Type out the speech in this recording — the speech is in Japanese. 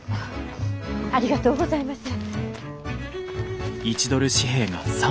ありがとうございます。